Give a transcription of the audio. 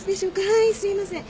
あっすいません！